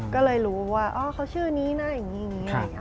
ก็เลยรู้ว่าเขาชื่อนี้นะอย่างนี้อย่างนี้อย่างนี้